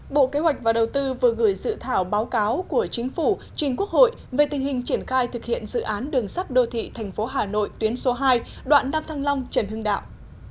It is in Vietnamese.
bộ kế hoạch và đầu tư vừa gửi dự thảo báo cáo của chính phủ trình quốc hội về tình hình triển khai thực hiện dự án đường sắt đô thị thành phố hà nội tuyến số hai đoạn năm thăng long trần hưng đạo